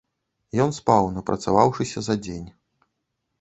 Ён спаў, напрацаваўшыся за дзень.